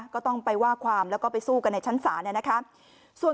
ก็ต้องไปว่าความแล้วก็ไปสู้กันในชั้นศาลเนี่ยนะคะ